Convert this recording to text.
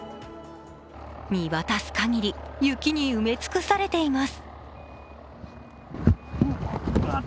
見渡す限り、雪に埋め尽くされています。